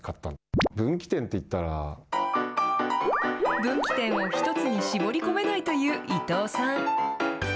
分岐点を１つに絞り込めないという伊藤さん。